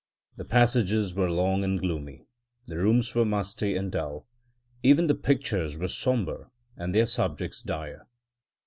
The passages were long and gloomy, the rooms were musty and dull, even the pictures were sombre and their subjects dire.